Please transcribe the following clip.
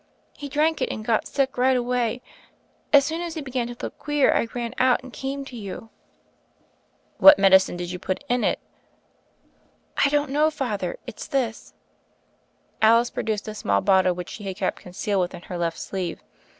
He drank it, and got sick right away. As soon as he began to look queer, I ran out, and came to you." 84 THE FAIRY OF THE SNOWS "What medicine did you put in?" "I don't know, Father. It's this." Alice produced a small bottle which she had kept concealed within her left sleeve.